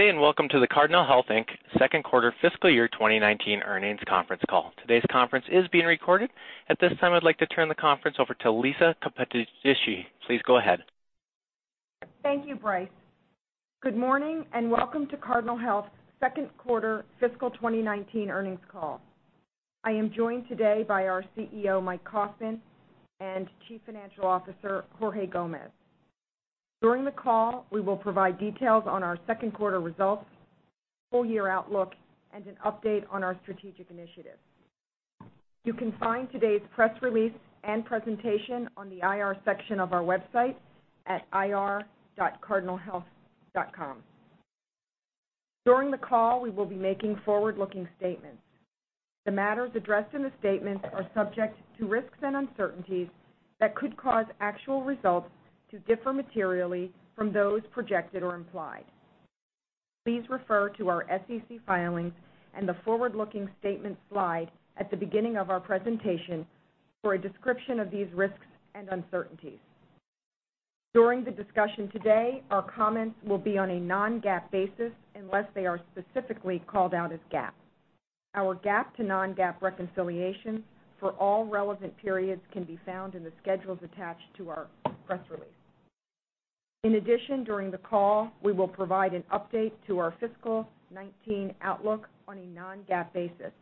Good day, welcome to the Cardinal Health, Inc. Second Quarter Fiscal Year 2019 Earnings Conference Call. Today's conference is being recorded. At this time, I'd like to turn the conference over to Lisa Capodici. Please go ahead. Thank you, Bryce. Good morning, welcome to Cardinal Health's second quarter fiscal 2019 earnings call. I am joined today by our CEO, Mike Kaufmann, and Chief Financial Officer, Jorge Gomez. During the call, we will provide details on our second quarter results, full year outlook, and an update on our strategic initiatives. You can find today's press release and presentation on the IR section of our website at ir.cardinalhealth.com. During the call, we will be making forward-looking statements. The matters addressed in the statements are subject to risks and uncertainties that could cause actual results to differ materially from those projected or implied. Please refer to our SEC filings and the forward-looking statement slide at the beginning of our presentation for a description of these risks and uncertainties. During the discussion today, our comments will be on a non-GAAP basis unless they are specifically called out as GAAP. Our GAAP to non-GAAP reconciliation for all relevant periods can be found in the schedules attached to our press release. In addition, during the call, we will provide an update to our fiscal 2019 outlook on a non-GAAP basis.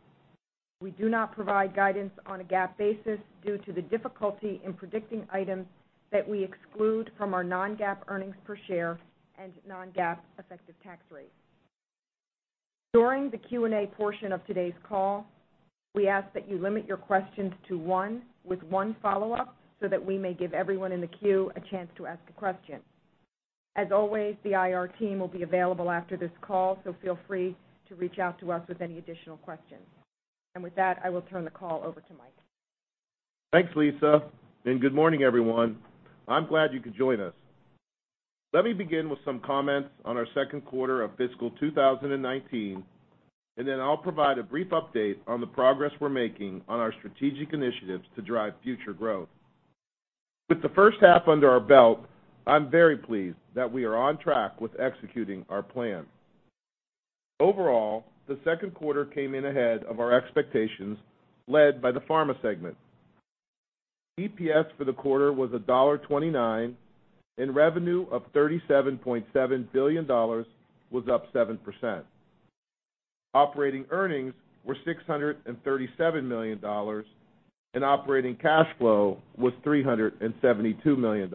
We do not provide guidance on a GAAP basis due to the difficulty in predicting items that we exclude from our non-GAAP earnings per share and non-GAAP effective tax rate. During the Q&A portion of today's call, we ask that you limit your questions to one with one follow-up so that we may give everyone in the queue a chance to ask a question. As always, the IR team will be available after this call, so feel free to reach out to us with any additional questions. With that, I will turn the call over to Mike. Thanks, Lisa, good morning, everyone. I'm glad you could join us. Let me begin with some comments on our second quarter of fiscal 2019, then I'll provide a brief update on the progress we're making on our strategic initiatives to drive future growth. With the first half under our belt, I'm very pleased that we are on track with executing our plan. Overall, the second quarter came in ahead of our expectations, led by the pharma segment. EPS for the quarter was $1.29, revenue of $37.7 billion was up 7%. Operating earnings were $637 million, operating cash flow was $372 million.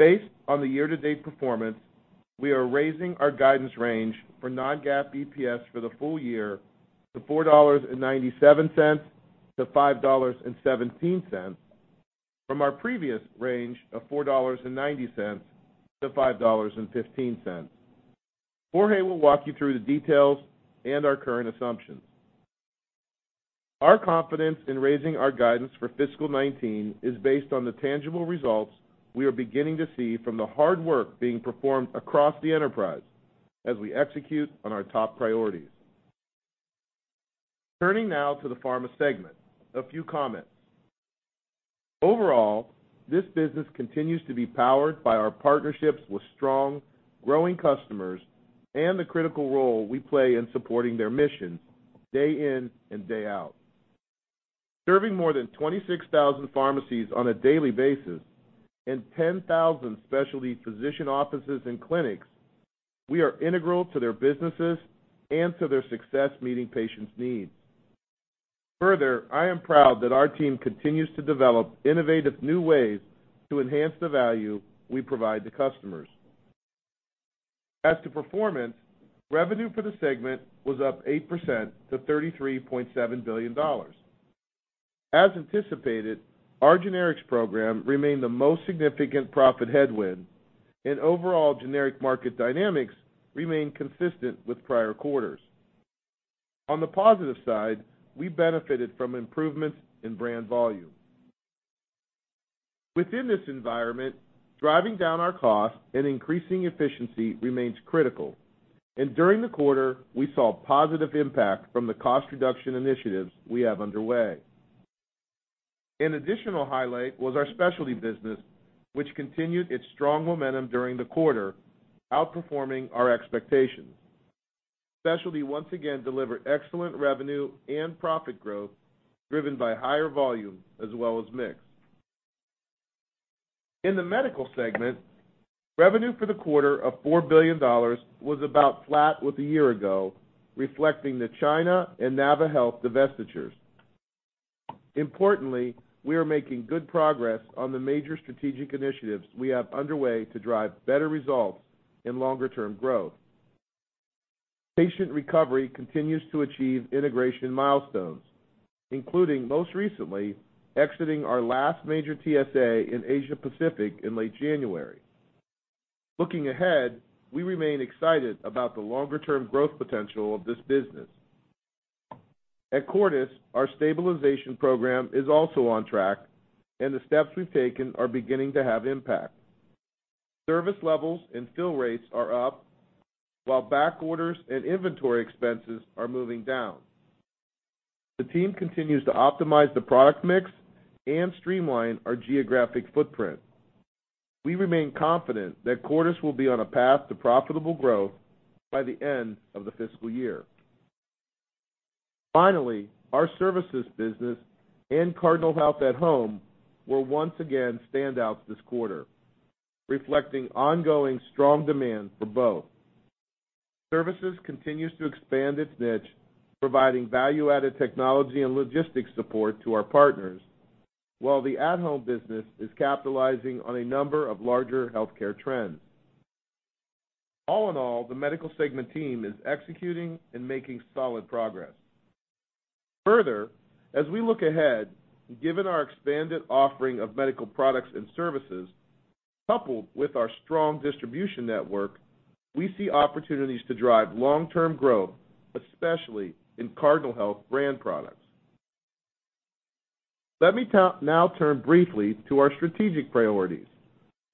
Based on the year-to-date performance, we are raising our guidance range for non-GAAP EPS for the full year to $4.97-$5.17 from our previous range of $4.90-$5.15. Jorge will walk you through the details and our current assumptions. Our confidence in raising our guidance for fiscal 2019 is based on the tangible results we are beginning to see from the hard work being performed across the enterprise as we execute on our top priorities. Turning now to the pharma segment. A few comments. Overall, this business continues to be powered by our partnerships with strong, growing customers and the critical role we play in supporting their missions day in and day out. Serving more than 26,000 pharmacies on a daily basis and 10,000 specialty physician offices and clinics, we are integral to their businesses and to their success meeting patients' needs. Further, I am proud that our team continues to develop innovative new ways to enhance the value we provide to customers. As to performance, revenue for the segment was up 8% to $33.7 billion. As anticipated, our generics program remained the most significant profit headwind, and overall generic market dynamics remained consistent with prior quarters. On the positive side, we benefited from improvements in brand volume. Within this environment, driving down our cost and increasing efficiency remains critical. During the quarter, we saw positive impact from the cost reduction initiatives we have underway. An additional highlight was our specialty business, which continued its strong momentum during the quarter, outperforming our expectations. Specialty once again delivered excellent revenue and profit growth, driven by higher volume as well as mix. In the medical segment, revenue for the quarter of $4 billion was about flat with a year ago, reflecting the China and naviHealth divestitures. Importantly, we are making good progress on the major strategic initiatives we have underway to drive better results and longer-term growth. Patient Recovery continues to achieve integration milestones, including, most recently, exiting our last major TSA in Asia Pacific in late January. Looking ahead, we remain excited about the longer-term growth potential of this business. At Cordis, our stabilization program is also on track, and the steps we've taken are beginning to have impact. Service levels and fill rates are up, while backorders and inventory expenses are moving down. The team continues to optimize the product mix and streamline our geographic footprint. We remain confident that Cordis will be on a path to profitable growth by the end of the fiscal year. Finally, our services business and Cardinal Health at-Home were once again standouts this quarter, reflecting ongoing strong demand for both. Services continues to expand its niche, providing value-added technology and logistics support to our partners, while the at-Home business is capitalizing on a number of larger healthcare trends. All in all, the medical segment team is executing and making solid progress. Further, as we look ahead, given our expanded offering of medical products and services, coupled with our strong distribution network, we see opportunities to drive long-term growth, especially in Cardinal Health brand products. Let me now turn briefly to our strategic priorities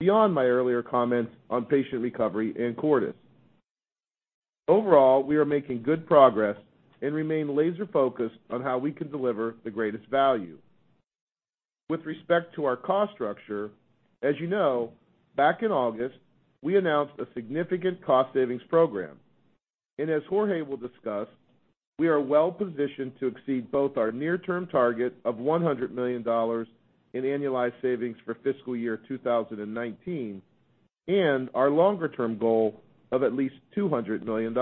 beyond my earlier comments on Patient Recovery and Cordis. Overall, we are making good progress and remain laser-focused on how we can deliver the greatest value. With respect to our cost structure, as you know, back in August, we announced a significant cost savings program. As Jorge will discuss, we are well positioned to exceed both our near-term target of $100 million in annualized savings for fiscal year 2019 and our longer-term goal of at least $200 million.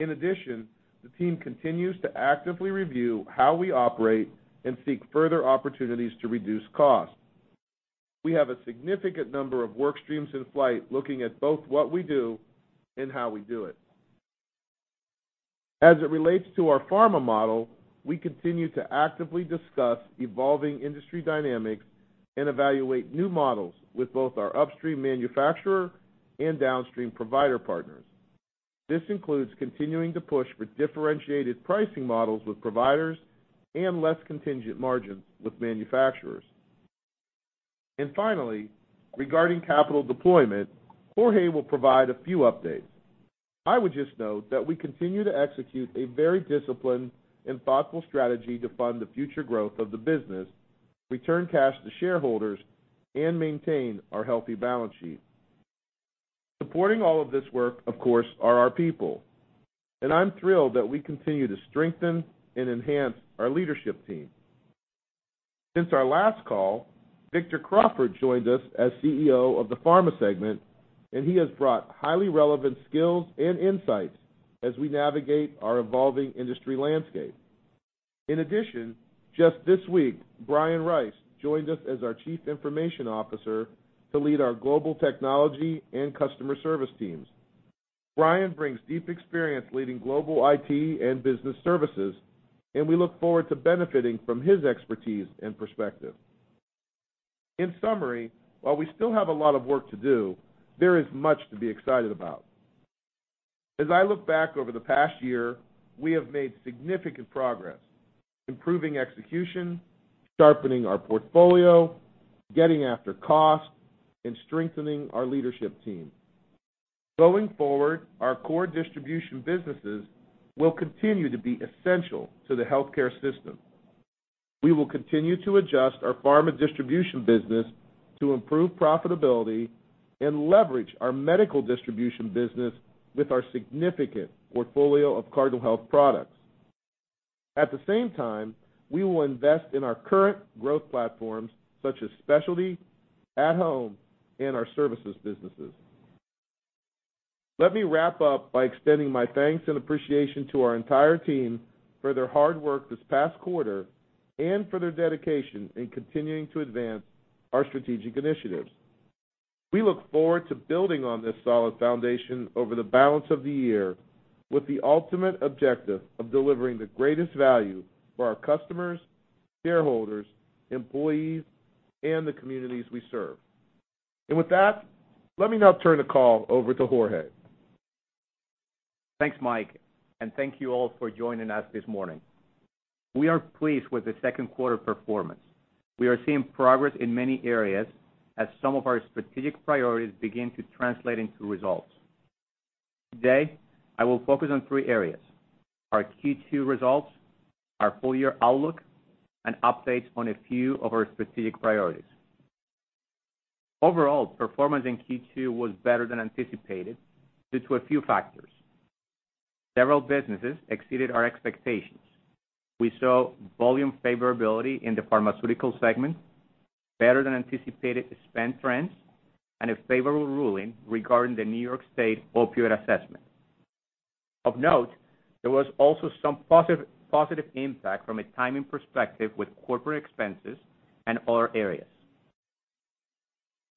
In addition, the team continues to actively review how we operate and seek further opportunities to reduce costs. We have a significant number of work streams in flight looking at both what we do and how we do it. As it relates to our pharma model, we continue to actively discuss evolving industry dynamics and evaluate new models with both our upstream manufacturer and downstream provider partners. This includes continuing to push for differentiated pricing models with providers and less contingent margins with manufacturers. Finally, regarding capital deployment, Jorge will provide a few updates. I would just note that we continue to execute a very disciplined and thoughtful strategy to fund the future growth of the business, return cash to shareholders, and maintain our healthy balance sheet. Supporting all of this work, of course, are our people, and I'm thrilled that we continue to strengthen and enhance our leadership team. Since our last call, Victor Crawford joined us as CEO of the Pharma segment, and he has brought highly relevant skills and insights as we navigate our evolving industry landscape. In addition, just this week, Brian Rice joined us as our Chief Information Officer to lead our global technology and customer service teams. Brian brings deep experience leading global IT and business services, and we look forward to benefiting from his expertise and perspective. In summary, while we still have a lot of work to do, there is much to be excited about. As I look back over the past year, we have made significant progress, improving execution, sharpening our portfolio, getting after cost, and strengthening our leadership team. Going forward, our core distribution businesses will continue to be essential to the healthcare system. We will continue to adjust our pharma distribution business to improve profitability and leverage our medical distribution business with our significant portfolio of Cardinal Health products. At the same time, we will invest in our current growth platforms such as specialty, at-Home, and our services businesses. Let me wrap up by extending my thanks and appreciation to our entire team for their hard work this past quarter and for their dedication in continuing to advance our strategic initiatives. We look forward to building on this solid foundation over the balance of the year with the ultimate objective of delivering the greatest value for our customers, shareholders, employees, and the communities we serve. With that, let me now turn the call over to Jorge. Thanks, Mike. Thank you all for joining us this morning. We are pleased with the second quarter performance. We are seeing progress in many areas as some of our strategic priorities begin to translate into results. Today, I will focus on three areas: our Q2 results, our full-year outlook, and updates on a few of our strategic priorities. Overall, performance in Q2 was better than anticipated due to a few factors. Several businesses exceeded our expectations. We saw volume favorability in the Pharmaceutical segment, better than anticipated spend trends, and a favorable ruling regarding the New York State opioid assessment. Of note, there was also some positive impact from a timing perspective with corporate expenses and other areas.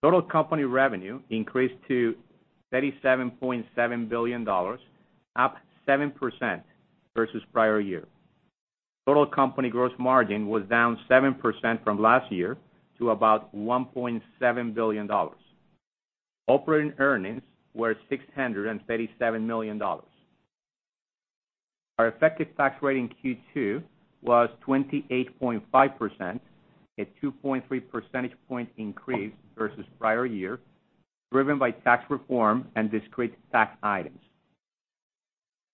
Total company revenue increased to $37.7 billion, up 7% versus prior year. Total company gross margin was down 7% from last year to about $1.7 billion. Operating earnings were $637 million. Our effective tax rate in Q2 was 28.5%, a 2.3 percentage point increase versus prior year, driven by tax reform and discrete tax items.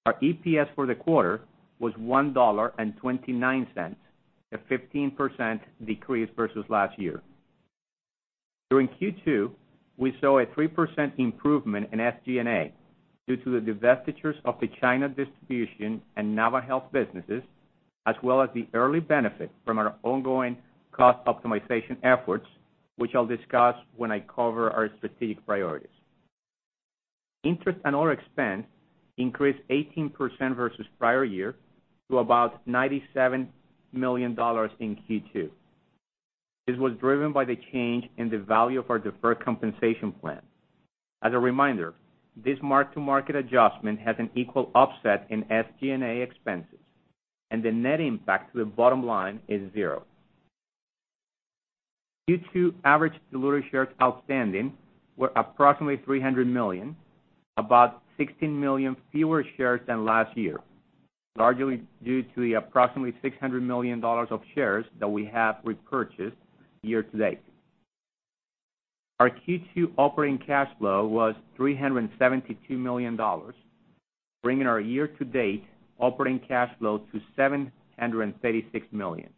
Our EPS for the quarter was $1.29, a 15% decrease versus last year. During Q2, we saw a 3% improvement in SG&A due to the divestitures of the China Distribution and naviHealth businesses, as well as the early benefit from our ongoing cost optimization efforts, which I'll discuss when I cover our strategic priorities. Interest and other expense increased 18% versus prior year to about $97 million in Q2. This was driven by the change in the value of our deferred compensation plan. As a reminder, this mark-to-market adjustment has an equal offset in SG&A expenses, and the net impact to the bottom line is zero. Q2 average diluted shares outstanding were approximately 300 million, about 16 million fewer shares than last year, largely due to the approximately $600 million of shares that we have repurchased year-to-date. Our Q2 operating cash flow was $372 million, bringing our year-to-date operating cash flow to $736 million.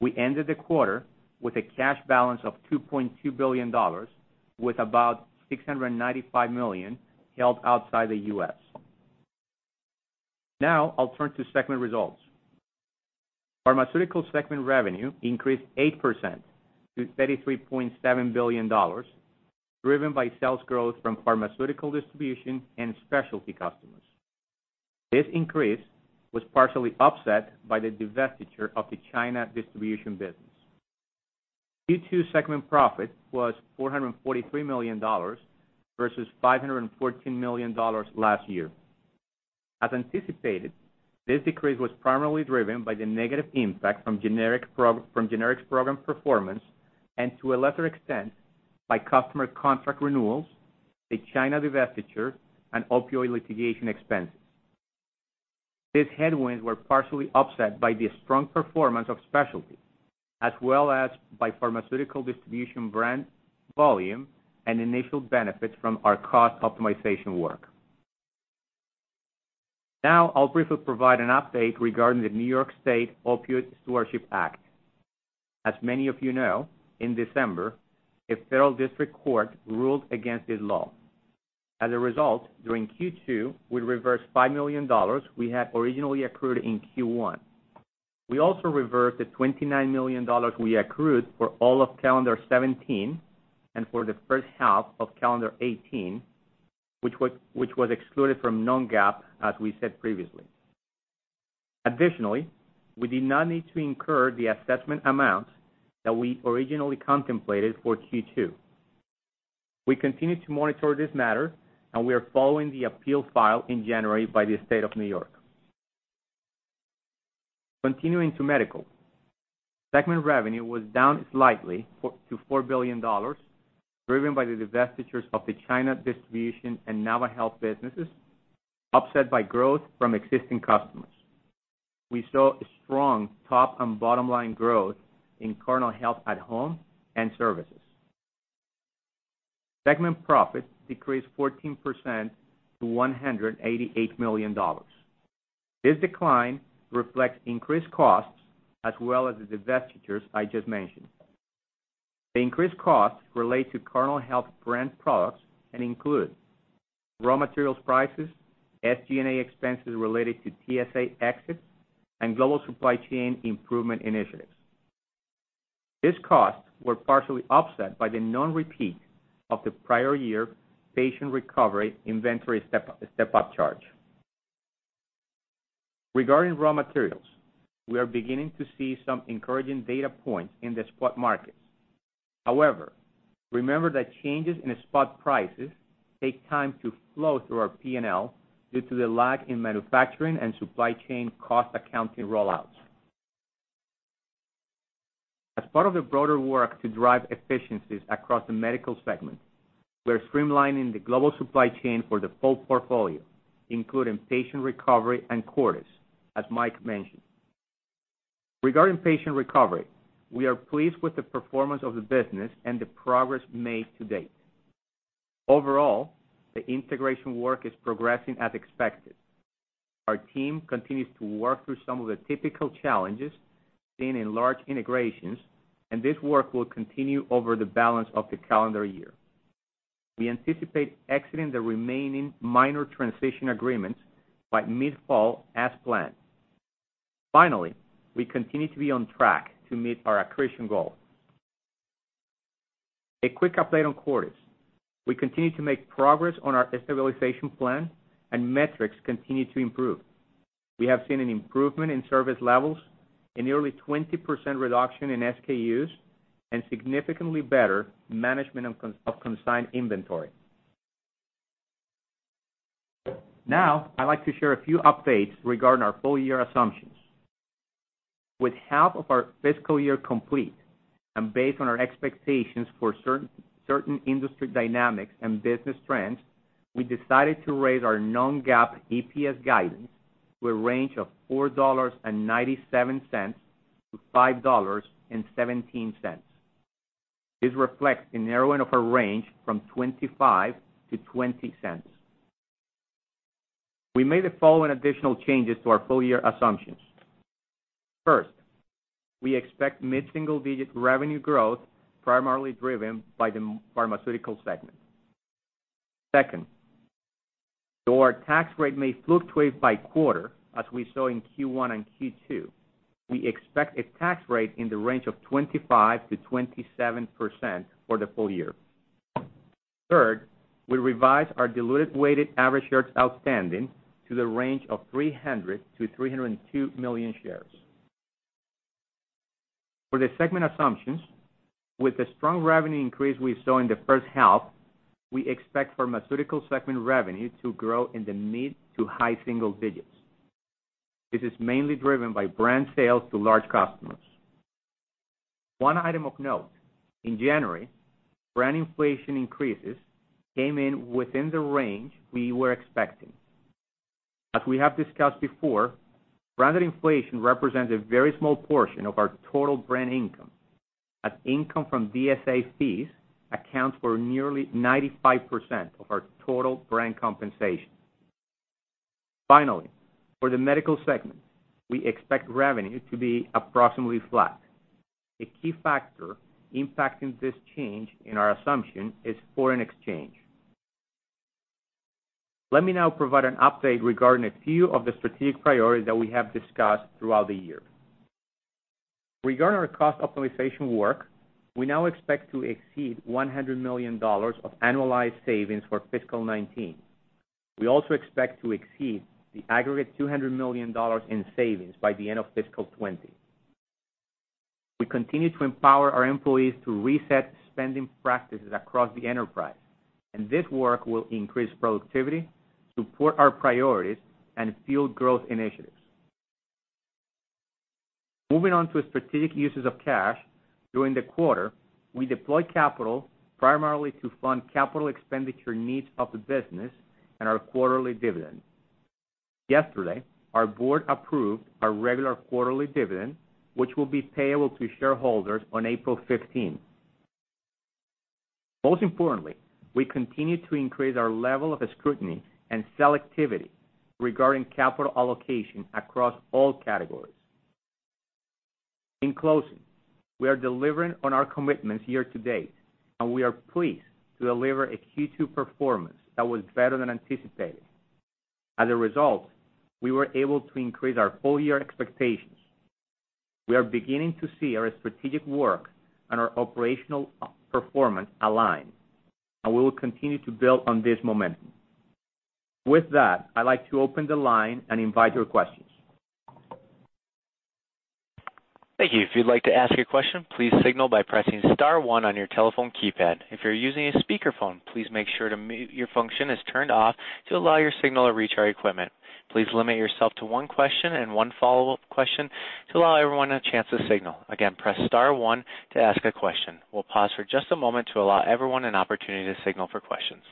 We ended the quarter with a cash balance of $2.2 billion, with about $695 million held outside the U.S. I'll turn to segment results. Pharmaceutical segment revenue increased 8% to $33.7 billion, driven by sales growth from pharmaceutical distribution and specialty customers. This increase was partially offset by the divestiture of the China Distribution business. Q2 segment profit was $443 million versus $514 million last year. As anticipated, this decrease was primarily driven by the negative impact from generics program performance, and to a lesser extent, by customer contract renewals, the China divestiture, and opioid litigation expenses. These headwinds were partially offset by the strong performance of specialty, as well as by pharmaceutical distribution brand volume and initial benefits from our cost optimization work. I'll briefly provide an update regarding the New York State Opioid Stewardship Act. As many of you know, in December, a federal district court ruled against this law. As a result, during Q2, we reversed $5 million we had originally accrued in Q1. We also reversed the $29 million we accrued for all of calendar 2017 and for the first half of calendar 2018, which was excluded from non-GAAP, as we said previously. Additionally, we did not need to incur the assessment amount that we originally contemplated for Q2. We continue to monitor this matter, and we are following the appeal filed in January by the State of New York. Continuing to medical. Segment revenue was down slightly to $4 billion, driven by the divestitures of the China Distribution and naviHealth businesses, offset by growth from existing customers. We saw a strong top and bottom-line growth in Cardinal Health at-Home and services. Segment profit decreased 14% to $188 million. This decline reflects increased costs as well as the divestitures I just mentioned. The increased costs relate to Cardinal Health brand products and include raw materials prices, SG&A expenses related to TSA exits, and global supply chain improvement initiatives. These costs were partially offset by the non-repeat of the prior year Patient Recovery inventory step-up charge. Regarding raw materials, we are beginning to see some encouraging data point in the spot market. However, remember that changes in spot prices take time to flow through our P&L due to the lag in manufacturing and supply chain cost accounting rollouts. As part of the broader work to drive efficiencies across the medical segment, we're streamlining the global supply chain for the full portfolio, including Patient Recovery and Cordis, as Mike mentioned. Regarding Patient Recovery, we are pleased with the performance of the business and the progress made to date. Overall, the integration work is progressing as expected. Our team continues to work through some of the typical challenges seen in large integrations, and this work will continue over the balance of the calendar year. We anticipate exiting the remaining minor transition agreements by mid-fall as planned. Finally, we continue to be on track to meet our accretion goal. A quick update on Cordis. We continue to make progress on our stabilization plan and metrics continue to improve. We have seen an improvement in service levels, a nearly 20% reduction in SKUs, and significantly better management of consigned inventory. I'd like to share a few updates regarding our full-year assumptions. With half of our fiscal year complete, and based on our expectations for certain industry dynamics and business trends, we decided to raise our non-GAAP EPS guidance to a range of $4.97-$5.17. This reflects a narrowing of our range from $0.25 to $0.20. We made the following additional changes to our full year assumptions. First, we expect mid-single digit revenue growth, primarily driven by the Pharmaceutical segment. Second, though our tax rate may fluctuate by quarter, as we saw in Q1 and Q2, we expect a tax rate in the range of 25%-27% for the full year. Third, we revised our diluted weighted average shares outstanding to the range of 300-302 million shares. For the segment assumptions, with the strong revenue increase we saw in the first half, we expect Pharmaceutical segment revenue to grow in the mid to high single digits. This is mainly driven by brand sales to large customers. One item of note, in January, brand inflation increases came in within the range we were expecting. As we have discussed before, branded inflation represents a very small portion of our total brand income, as income from DSA fees accounts for nearly 95% of our total brand compensation. Finally, for the medical segment, we expect revenue to be approximately flat. A key factor impacting this change in our assumption is foreign exchange. Let me now provide an update regarding a few of the strategic priorities that we have discussed throughout the year. Regarding our cost optimization work, we now expect to exceed $100 million of annualized savings for fiscal 2019. We also expect to exceed the aggregate $200 million in savings by the end of fiscal 2020. We continue to empower our employees to reset spending practices across the enterprise. This work will increase productivity, support our priorities, and fuel growth initiatives. Moving on to strategic uses of cash, during the quarter, we deployed capital primarily to fund capital expenditure needs of the business and our quarterly dividend. Yesterday, our board approved our regular quarterly dividend, which will be payable to shareholders on April 15th. Most importantly, we continue to increase our level of scrutiny and selectivity regarding capital allocation across all categories. In closing, we are delivering on our commitments year-to-date, and we are pleased to deliver a Q2 performance that was better than anticipated. As a result, we were able to increase our full-year expectations. We are beginning to see our strategic work and our operational performance align. We will continue to build on this momentum. With that, I'd like to open the line and invite your questions. Thank you. If you'd like to ask a question, please signal by pressing star one on your telephone keypad. If you're using a speakerphone, please make sure to mute, your function is turned off to allow your signal to reach our equipment. Please limit yourself to one question and one follow-up question to allow everyone a chance to signal. Again, press star one to ask a question. We'll pause for just a moment to allow everyone an opportunity to signal for questions.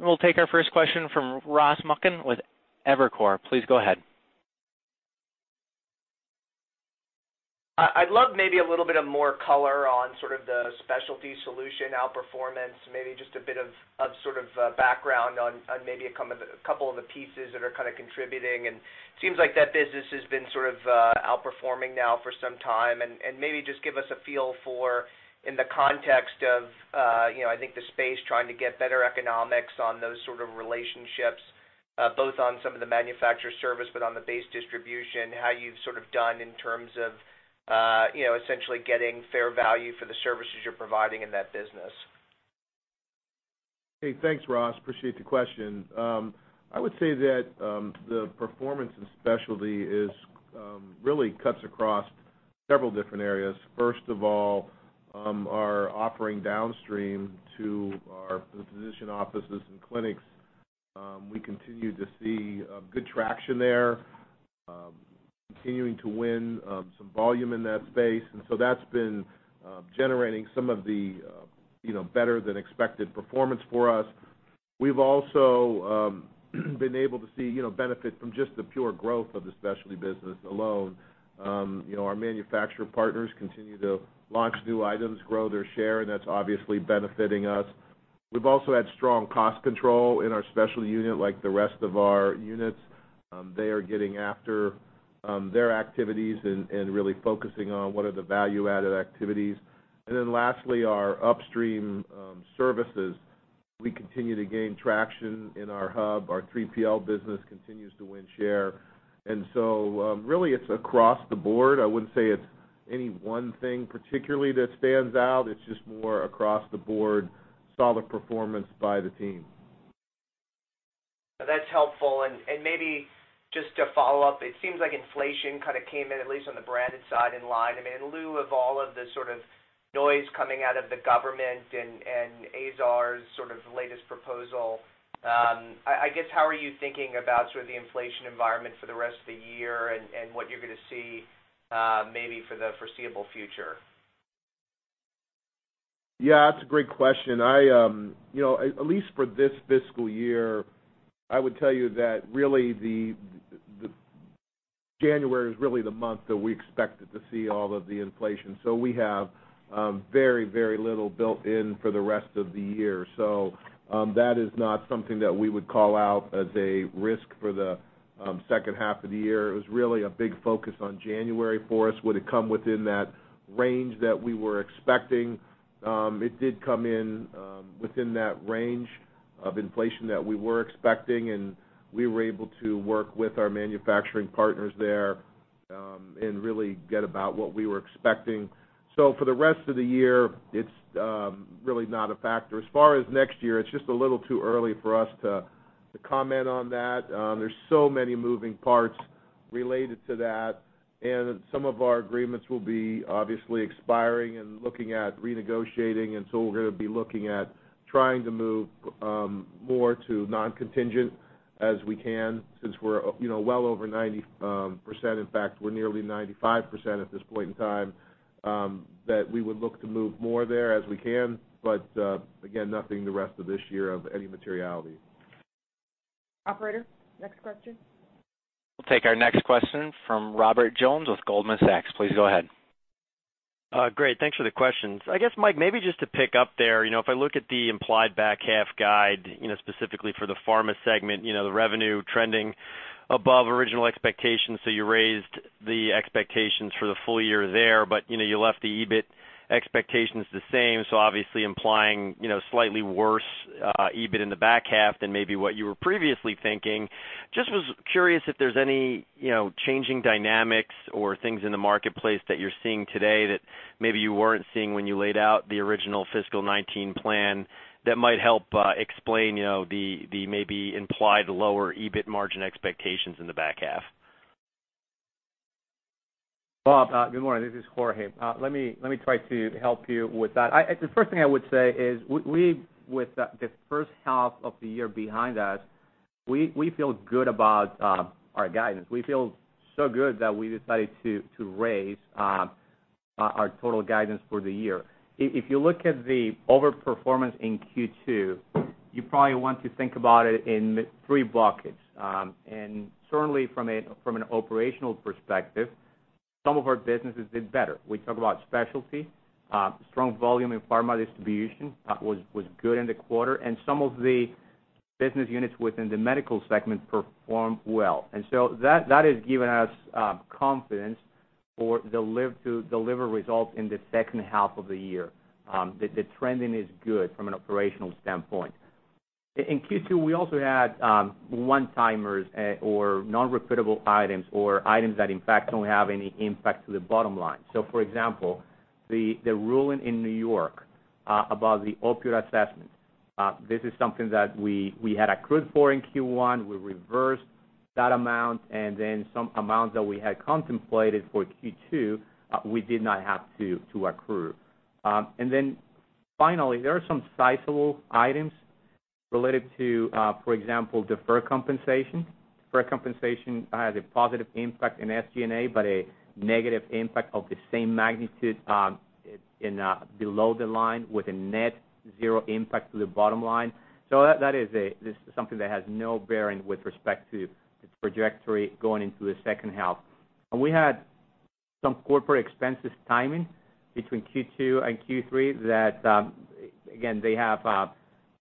We'll take our first question from Ross Muken with Evercore. Please go ahead. I'd love maybe a little bit of more color on sort of the specialty solution outperformance, maybe just a bit of sort of, background on maybe a couple of the pieces that are kind of contributing. Seems like that business has been sort of outperforming now for some time and maybe just give us a feel for, in the context of, I think the space trying to get better economics on those sort of relationships, both on some of the manufacturer service, but on the base distribution, how you've sort of done in terms of essentially getting fair value for the services you're providing in that business. Hey, thanks, Ross. Appreciate the question. I would say that, the performance in specialty really cuts across several different areas. First of all, our offering downstream to our physician offices and clinics, we continue to see good traction there. Continuing to win some volume in that space. So that's been generating some of the better than expected performance for us. We've also, been able to see benefit from just the pure growth of the specialty business alone. Our manufacturer partners continue to launch new items, grow their share. That's obviously benefiting us. We've also had strong cost control in our specialty unit, like the rest of our units. They are getting after their activities and really focusing on what are the value-added activities. Then lastly, our upstream services. We continue to gain traction in our hub. Our 3PL business continues to win share. Really it's across the board. I wouldn't say it's any one thing particularly that stands out. It's just more across the board, solid performance by the team. That's helpful. Maybe just to follow up, it seems like inflation kind of came in, at least on the branded side, in line. I mean, in lieu of all of the noise coming out of the government and Azar's latest proposal. I guess, how are you thinking about the inflation environment for the rest of the year and what you're going to see, maybe for the foreseeable future? Yeah, that's a great question. At least for this fiscal year, I would tell you that January is really the month that we expected to see all of the inflation. We have very, very little built in for the rest of the year. That is not something that we would call out as a risk for the second half of the year. It was really a big focus on January for us. Would it come within that range that we were expecting? It did come in within that range of inflation that we were expecting, we were able to work with our manufacturing partners there, really get about what we were expecting. For the rest of the year, it's really not a factor. As far as next year, it's just a little too early for us to comment on that. There's so many moving parts related to that, some of our agreements will be obviously expiring and looking at renegotiating. We're going to be looking at trying to move more to non-contingent as we can since we're well over 90%. In fact, we're nearly 95% at this point in time, that we would look to move more there as we can. Again, nothing the rest of this year of any materiality. Operator, next question. We'll take our next question from Robert Jones with Goldman Sachs. Please go ahead. Great. Thanks for the questions. I guess, Mike, maybe just to pick up there, if I look at the implied back-half guide, specifically for the pharma segment, the revenue trending above original expectations. You raised the expectations for the full year there. You left the EBIT expectations the same, obviously implying slightly worse EBIT in the back half than maybe what you were previously thinking. Just was curious if there's any changing dynamics or things in the marketplace that you're seeing today that maybe you weren't seeing when you laid out the original fiscal 2019 plan that might help explain the maybe implied lower EBIT margin expectations in the back half. Bob, good morning. This is Jorge. Let me try to help you with that. The first thing I would say is, with the first half of the year behind us, we feel good about our guidance. We feel so good that we decided to raise our total guidance for the year. If you look at the over-performance in Q2, you probably want to think about it in three buckets. Certainly from an operational perspective, some of our businesses did better. We talk about specialty, strong volume in pharma distribution, that was good in the quarter, and some of the business units within the medical segment performed well. That has given us confidence to deliver results in the second half of the year. The trending is good from an operational standpoint. In Q2, we also had one-timers or non-repeatable items, or items that, in fact, don't have any impact to the bottom line. For example, the ruling in New York about the opioid assessment. This is something that we had accrued for in Q1. We reversed that amount, and then some amounts that we had contemplated for Q2, we did not have to accrue. Finally, there are some sizable items related to, for example, deferred compensation. Deferred compensation has a positive impact in SG&A, but a negative impact of the same magnitude below the line, with a net zero impact to the bottom line. So that is something that has no bearing with respect to its trajectory going into the second half. And we had some corporate expenses timing between Q2 and Q3 that, again, they have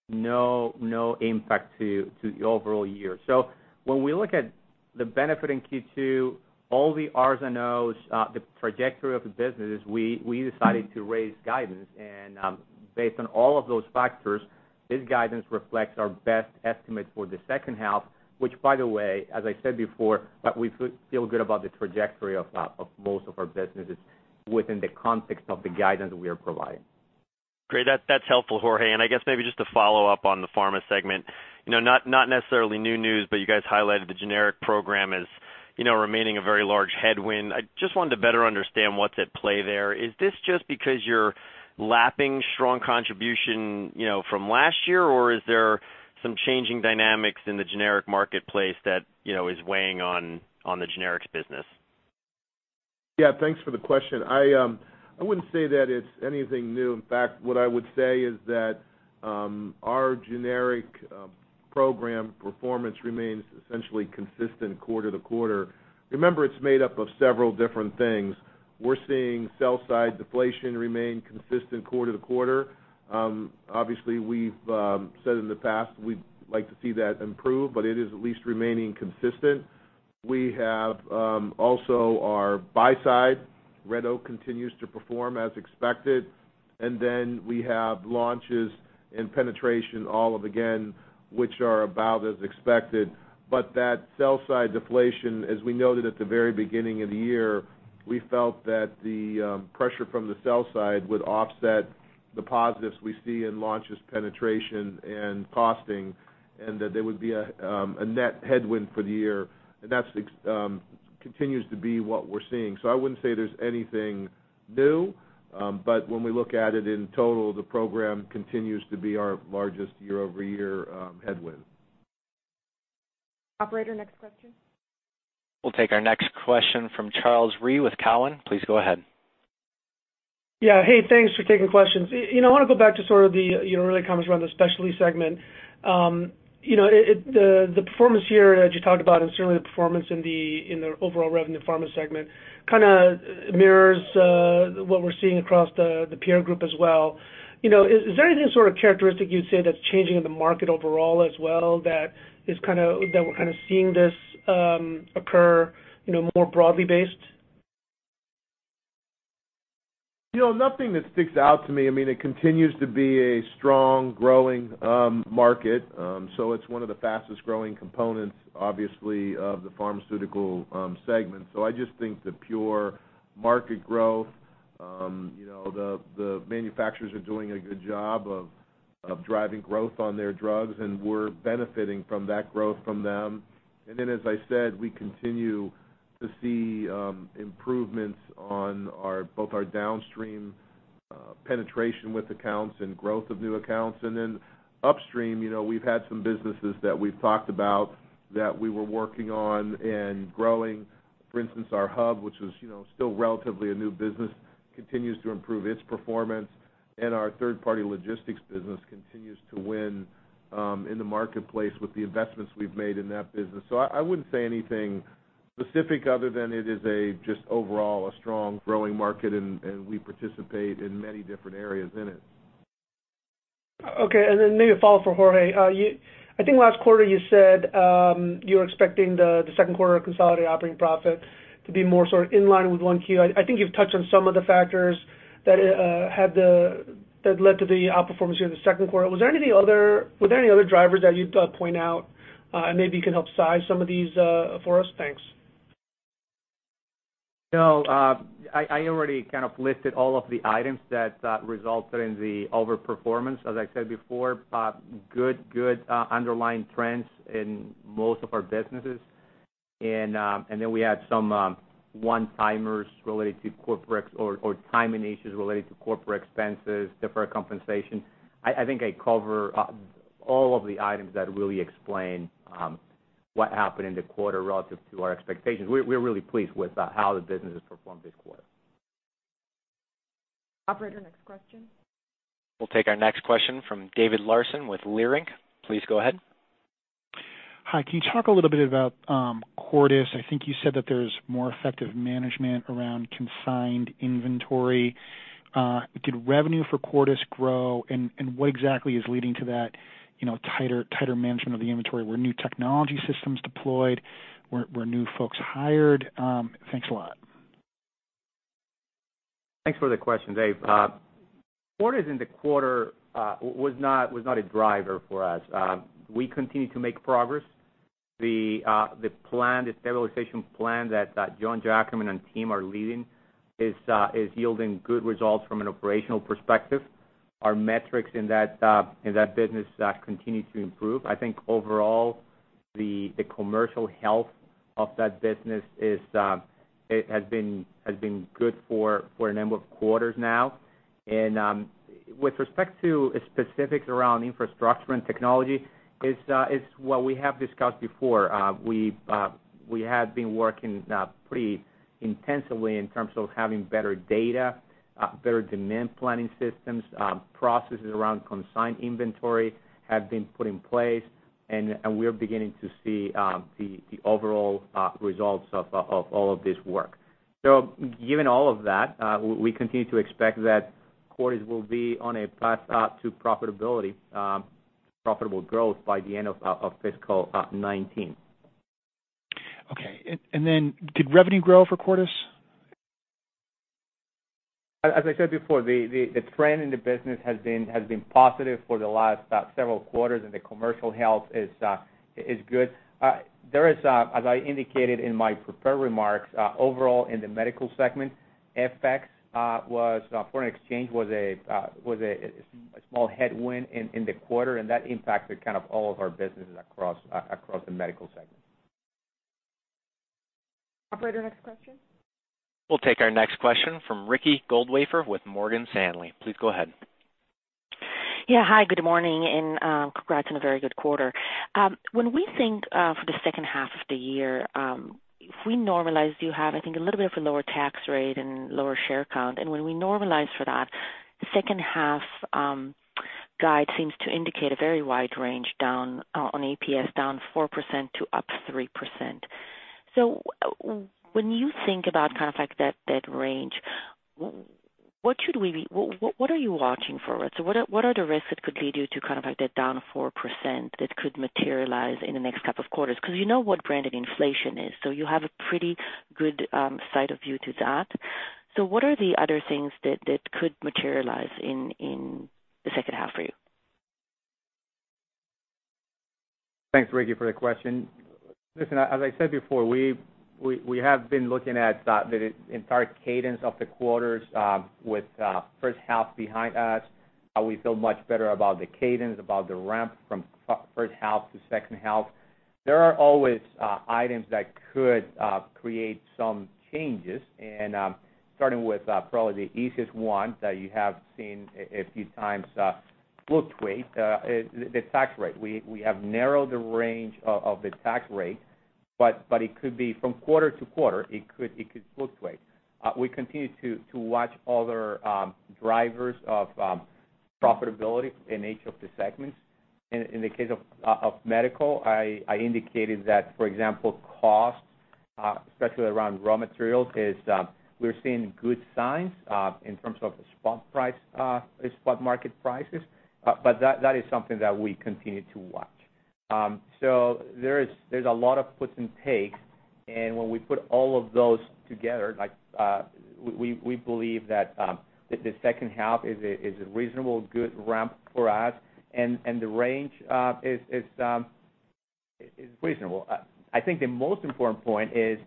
no impact to the overall year. When we look at the benefit in Q2, all the R's and O's, the trajectory of the businesses, we decided to raise guidance. And based on all of those factors, this guidance reflects our best estimate for the second half, which by the way, as I said before, that we feel good about the trajectory of most of our businesses within the context of the guidance we are providing. Great. That's helpful, Jorge. And I guess maybe just to follow up on the pharma segment. Not necessarily new news, but you guys highlighted the generic program as remaining a very large headwind. I just wanted to better understand what's at play there. Is this just because you're lapping strong contribution from last year, or is there some changing dynamics in the generic marketplace that is weighing on the generics business? Yeah. Thanks for the question. I wouldn't say that it's anything new. In fact, what I would say is that our generic program performance remains essentially consistent quarter to quarter. Remember, it's made up of several different things. We're seeing sell-side deflation remain consistent quarter to quarter. Obviously, we've said in the past we'd like to see that improve, but it is at least remaining consistent. We have also our buy side, Red Oak continues to perform as expected. And then we have launches and penetration all of, again, which are about as expected. But that sell-side deflation, as we noted at the very beginning of the year, we felt that the pressure from the sell side would offset the positives we see in launch's penetration and costing, and that there would be a net headwind for the year, and that continues to be what we're seeing. I wouldn't say there's anything new. When we look at it in total, the program continues to be our largest year-over-year headwind. Operator, next question. We'll take our next question from Charles Rhyee with Cowen. Please go ahead. Hey, thanks for taking questions. I want to go back to the early comments around the specialty segment. The performance here that you talked about, and certainly the performance in the overall revenue pharma segment, kind of mirrors what we're seeing across the peer group as well. Is there any sort of characteristic you'd say that's changing in the market overall as well that we're kind of seeing this occur more broadly based? Nothing that sticks out to me. It continues to be a strong, growing market. It's one of the fastest-growing components, obviously, of the Pharmaceutical segment. I just think the pure market growth, the manufacturers are doing a good job of driving growth on their drugs, and we're benefiting from that growth from them. As I said, we continue to see improvements on both our downstream penetration with accounts and growth of new accounts. Upstream, we've had some businesses that we've talked about that we were working on and growing. For instance, our hub, which is still relatively a new business, continues to improve its performance. Our third-party logistics business continues to win in the marketplace with the investments we've made in that business. I wouldn't say anything specific other than it is a just overall a strong growing market, and we participate in many different areas in it. Okay. Maybe a follow for Jorge. I think last quarter you said, you were expecting the second quarter consolidated operating profit to be more sort of in line with 1Q. I think you've touched on some of the factors that led to the outperformance here in the second quarter. Was there any other drivers that you'd point out, and maybe you can help size some of these for us? Thanks. No. I already kind of listed all of the items that resulted in the overperformance. As I said before, good underlying trends in most of our businesses. We had some one-timers related to corporate or timing issues related to corporate expenses, deferred compensation. I think I cover all of the items that really explain what happened in the quarter relative to our expectations. We're really pleased with how the business has performed this quarter. Operator, next question. We'll take our next question from David Larsen with Leerink. Please go ahead. Hi. Can you talk a little bit about Cordis? I think you said that there's more effective management around consigned inventory. Did revenue for Cordis grow? What exactly is leading to that tighter management of the inventory? Were new technology systems deployed? Were new folks hired? Thanks a lot. Thanks for the question, Dave. Cordis in the quarter was not a driver for us. We continue to make progress. The stabilization plan that Jon Giacomin and team are leading is yielding good results from an operational perspective. Our metrics in that business continue to improve. I think overall, the commercial health of that business has been good for a number of quarters now. With respect to specifics around infrastructure and technology, it's what we have discussed before. We have been working pretty intensively in terms of having better data, better demand planning systems, processes around consigned inventory have been put in place, and we are beginning to see the overall results of all of this work. Given all of that, we continue to expect that Cordis will be on a path to profitability, profitable growth by the end of fiscal 2019. Okay. Did revenue grow for Cordis? As I said before, the trend in the business has been positive for the last several quarters, and the commercial health is good. There is, as I indicated in my prepared remarks, overall in the medical segment, FX, foreign exchange, was a small headwind in the quarter, and that impacted kind of all of our businesses across the medical segment. Operator, next question. We'll take our next question from Ricky Goldwasser with Morgan Stanley. Please go ahead. Yeah. Hi, good morning, and congrats on a very good quarter. When we think for the second half of the year, if we normalize, you have, I think, a little bit of a lower tax rate and lower share count. When we normalize for that, the second half guide seems to indicate a very wide range down on EPS, down 4% to up to 3%. When you think about kind of like that range, what are you watching for? What are the risks that could lead you to kind of like that down to 4% that could materialize in the next couple of quarters? Because you know what branded inflation is, so you have a pretty good sight of view to that. What are the other things that could materialize in the second half for you? Thanks, Ricky, for the question. Listen, as I said before, we have been looking at the entire cadence of the year with first half behind us, how we feel much better about the cadence, about the ramp from first half to second half. There are always items that could create some changes, and starting with probably the easiest one that you have seen a few times fluctuate, the tax rate. We have narrowed the range of the tax rate, but it could be from quarter to quarter, it could fluctuate. We continue to watch other drivers of profitability in each of the segments. In the case of Medical, I indicated that, for example, cost, especially around raw materials, we're seeing good signs in terms of the spot market prices. That is something that we continue to watch. There's a lot of puts and takes, and when we put all of those together, we believe that the second half is a reasonable, good ramp for us, and the range is reasonable. I think the most important point is,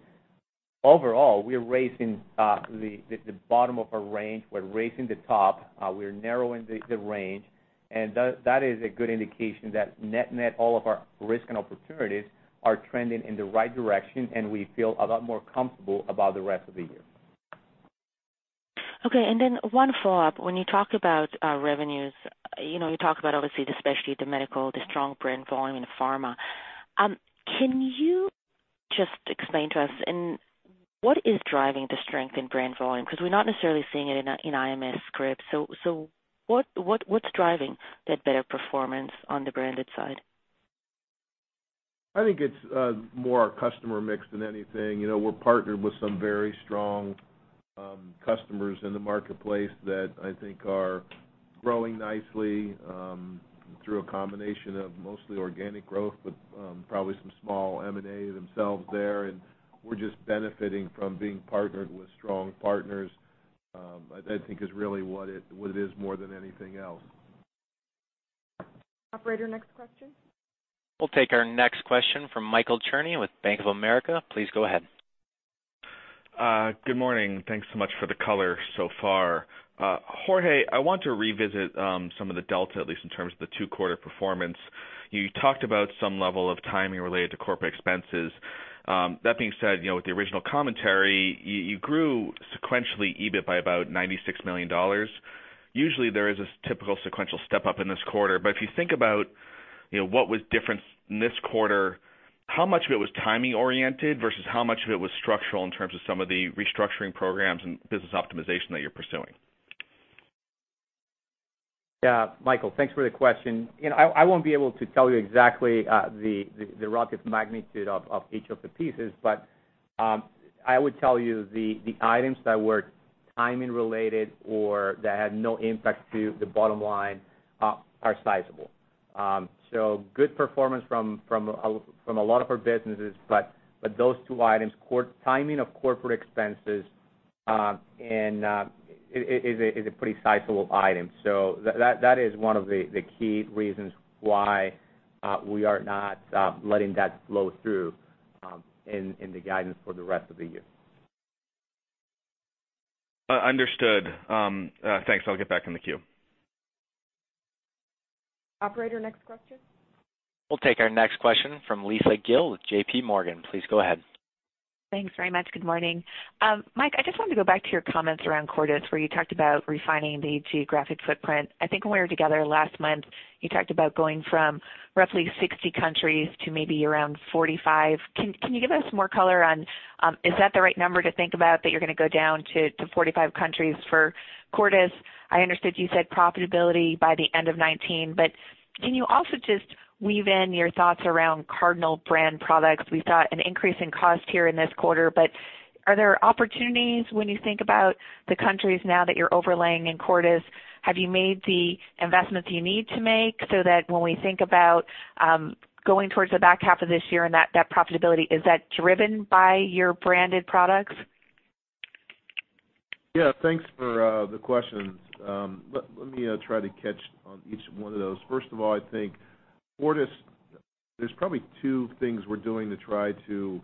overall, we're raising the bottom of our range. We're raising the top. We're narrowing the range, and that is a good indication that net-net, all of our risk and opportunities are trending in the right direction, and we feel a lot more comfortable about the rest of the year. Okay, one follow-up. When you talk about revenues, you talk about obviously, especially the Medical, the strong brand volume in Pharma. Can you just explain to us, what is driving the strength in brand volume? Because we're not necessarily seeing it in IMS script. What's driving that better performance on the branded side? I think it's more our customer mix than anything. We're partnered with some very strong customers in the marketplace that I think are growing nicely through a combination of mostly organic growth, but probably some small M&A themselves there, and we're just benefiting from being partnered with strong partners. I think is really what it is more than anything else. Operator, next question. We'll take our next question from Michael Cherny with Bank of America. Please go ahead. Good morning. Thanks so much for the color so far. Jorge, I want to revisit some of the delta, at least in terms of the two-quarter performance. You talked about some level of timing related to corporate expenses. That being said, with the original commentary, you grew sequentially EBIT by about $96 million. Usually, there is a typical sequential step-up in this quarter. If you think about what was different in this quarter, how much of it was timing oriented versus how much of it was structural in terms of some of the restructuring programs and business optimization that you're pursuing? Yeah. Michael, thanks for the question. I won't be able to tell you exactly the relative magnitude of each of the pieces, but I would tell you the items that were timing related or that had no impact to the bottom line are sizable. Good performance from a lot of our businesses, but those two items, timing of corporate expenses is a pretty sizable item. That is one of the key reasons why we are not letting that flow through in the guidance for the rest of the year. Understood. Thanks. I'll get back in the queue. Operator, next question. We'll take our next question from Lisa Gill with JPMorgan. Please go ahead. Thanks very much. Good morning. Mike, I just wanted to go back to your comments around Cordis, where you talked about refining the geographic footprint. I think when we were together last month, you talked about going from roughly 60 countries to maybe around 45. Can you give us more color on, is that the right number to think about, that you're going to go down to 45 countries for Cordis? I understood you said profitability by the end of 2019, but can you also just weave in your thoughts around Cardinal brand products? We saw an increase in cost here in this quarter, but are there opportunities when you think about the countries now that you're overlaying in Cordis? Have you made the investments you need to make so that when we think about going towards the back half of this year and that profitability, is that driven by your branded products? Thanks for the questions. Let me try to catch on each one of those. First of all, I think Cordis, there's probably two things we're doing to try to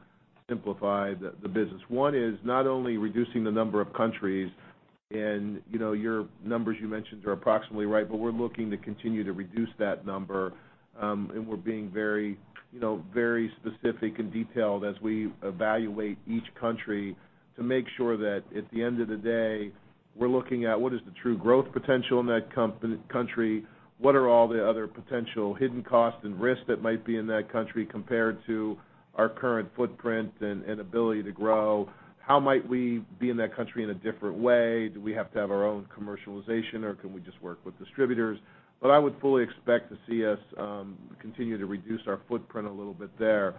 simplify the business. One is not only reducing the number of countries, your numbers you mentioned are approximately right, we're looking to continue to reduce that number, we're being very specific and detailed as we evaluate each country to make sure that at the end of the day, we're looking at what is the true growth potential in that country, what are all the other potential hidden costs and risks that might be in that country compared to our current footprint and ability to grow. How might we be in that country in a different way? Do we have to have our own commercialization, or can we just work with distributors? I would fully expect to see us continue to reduce our footprint a little bit there.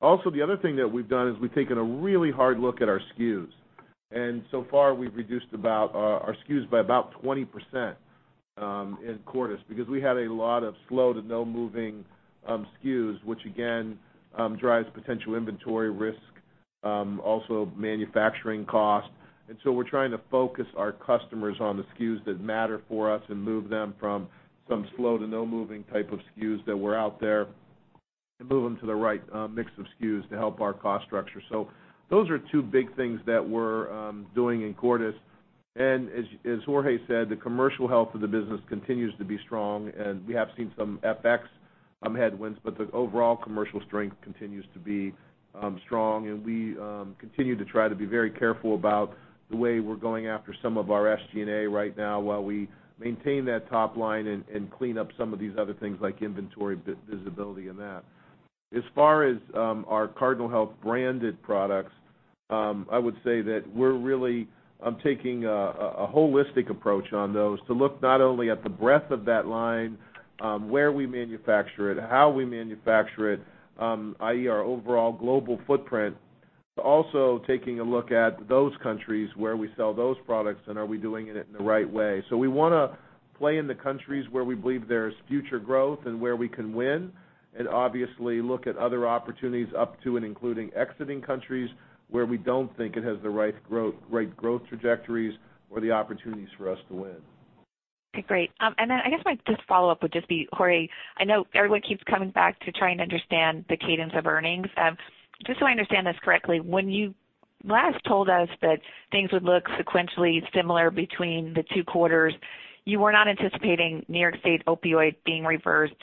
Also, the other thing that we've done is we've taken a really hard look at our SKUs, and so far, we've reduced our SKUs by about 20% in Cordis, because we had a lot of slow to no moving SKUs, which again, drives potential inventory risk, also manufacturing costs. We're trying to focus our customers on the SKUs that matter for us and move them from some slow to no moving type of SKUs that were out there and move them to the right mix of SKUs to help our cost structure. Those are two big things that we're doing in Cordis. As Jorge said, the commercial health of the business continues to be strong. We have seen some FX headwinds, but the overall commercial strength continues to be strong. We continue to try to be very careful about the way we're going after some of our SG&A right now while we maintain that top line and clean up some of these other things like inventory visibility and that. As far as our Cardinal Health branded products, I would say that we're really taking a holistic approach on those to look not only at the breadth of that line, where we manufacture it, how we manufacture it, i.e., our overall global footprint. Also taking a look at those countries where we sell those products and are we doing it in the right way. We want to play in the countries where we believe there's future growth and where we can win, and obviously look at other opportunities up to and including exiting countries where we don't think it has the right growth trajectories or the opportunities for us to win. Okay, great. I guess my just follow-up would just be, Jorge, I know everyone keeps coming back to try and understand the cadence of earnings. Just so I understand this correctly, when you last told us that things would look sequentially similar between the two quarters, you were not anticipating New York State Opioid being reversed.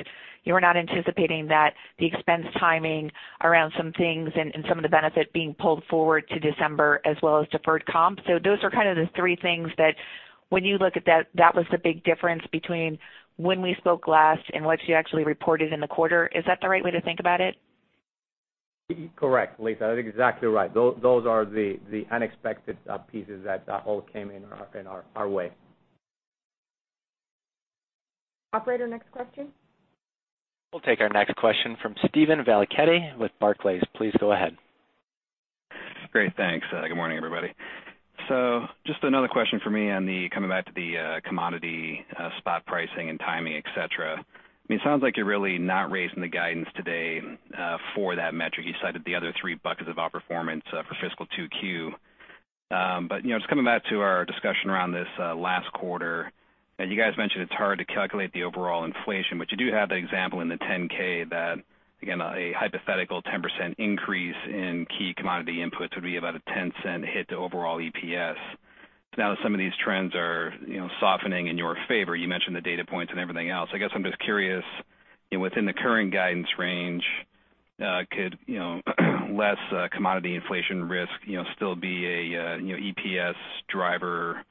You were not anticipating that the expense timing around some things and some of the benefit being pulled forward to December as well as deferred comp. Those are kind of the three things that when you look at that was the big difference between when we spoke last and what you actually reported in the quarter. Is that the right way to think about it? Correct, Lisa. That's exactly right. Those are the unexpected pieces that all came in our way. Operator, next question. We'll take our next question from Steven Valiquette with Barclays. Please go ahead. Great. Thanks. Good morning, everybody. Just another question from me on the, coming back to the commodity spot pricing and timing, et cetera. It sounds like you're really not raising the guidance today for that metric. You cited the other three buckets of outperformance for fiscal 2Q. Just coming back to our discussion around this last quarter, and you guys mentioned it's hard to calculate the overall inflation, but you do have that example in the 10-K that, again, a hypothetical 10% increase in key commodity inputs would be about a $0.10 hit to overall EPS. Now that some of these trends are softening in your favor, you mentioned the data points and everything else, I guess I'm just curious, within the current guidance range, could, less commodity inflation risk still be an EPS driver into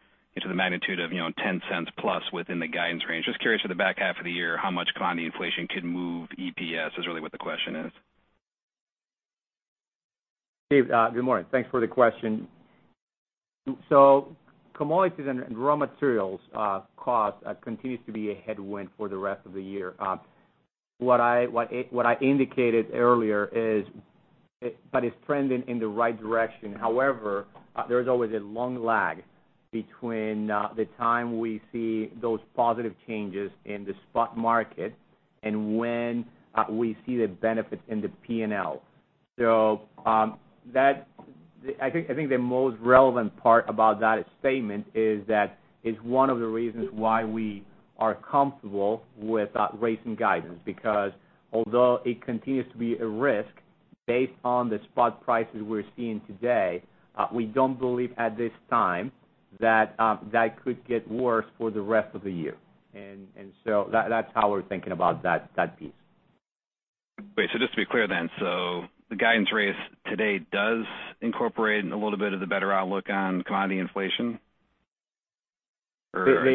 the magnitude of $0.10 plus within the guidance range? Just curious for the back half of the year, how much commodity inflation could move EPS is really what the question is. Steve, good morning. Thanks for the question. Commodities and raw materials costs continues to be a headwind for the rest of the year. What I indicated earlier is, but it's trending in the right direction. However, there's always a long lag between the time we see those positive changes in the spot market and when we see the benefit in the P&L. I think the most relevant part about that statement is that it's one of the reasons why we are comfortable with raising guidance, because although it continues to be a risk, based on the spot prices we're seeing today, we don't believe at this time that that could get worse for the rest of the year. That's how we're thinking about that piece. Wait, so just to be clear then, so the guidance raise today does incorporate a little bit of the better outlook on commodity inflation? Or-